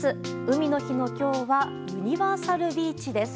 海の日の今日はユニバーサルビーチです。